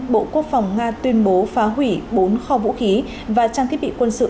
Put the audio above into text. bộ quốc phòng nga tuyên bố phá hủy bốn kho vũ khí và trang thiết bị quân sự